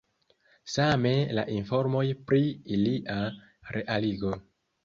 Same la informoj pri ilia realigo.